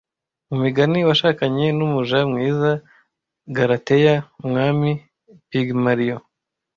Mu migani washakanye n'umuja mwiza Galateya Umwami Pygmalion